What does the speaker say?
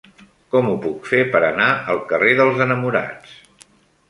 Com ho puc fer per anar al carrer dels Enamorats?